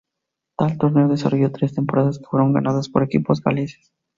Tal torneo desarrolló tres temporadas que fueron ganadas por equipos galeses.